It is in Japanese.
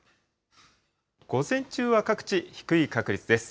午前中は各地、低い確率です。